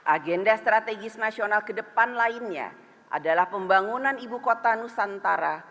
agenda strategis nasional ke depan lainnya adalah pembangunan ibu kota nusantara